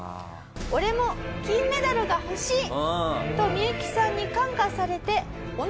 「俺も金メダルが欲しい！」とミユキさんに感化されてへえ！